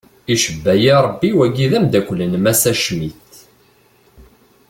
Icebbayi rebbi wagi d amdakel n massa Schmitt.